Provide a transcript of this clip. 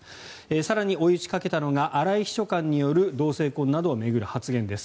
更に、追い打ちをかけたのが荒井秘書官による同性婚などを巡る発言です。